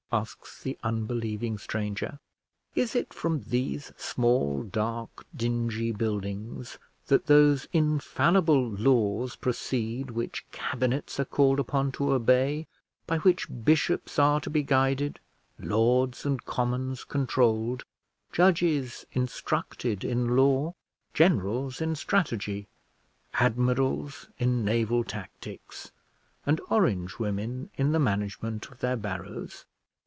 asks the unbelieving stranger. "Is it from these small, dark, dingy buildings that those infallible laws proceed which cabinets are called upon to obey; by which bishops are to be guided, lords and commons controlled, judges instructed in law, generals in strategy, admirals in naval tactics, and orange women in the management of their barrows?"